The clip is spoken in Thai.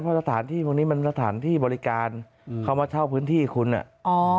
เพราะสถานที่ตรงนี้มันสถานที่บริการอืมเขามาเช่าพื้นที่คุณอ่ะอ๋อ